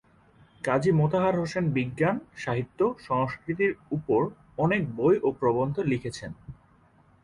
কাজী মোতাহার হোসেন বিজ্ঞান, সাহিত্য, সংস্কৃতির উপর অনেক বই ও প্রবন্ধ লিখেছেন।